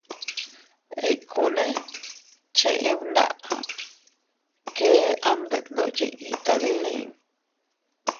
Ikkune cheʼe mdaʼa, kee am detndoʼo yiʼi tadilin.